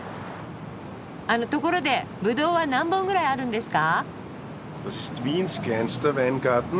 あのところでぶどうは何本ぐらいあるんですか？